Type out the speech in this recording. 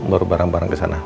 baru barang barang kesana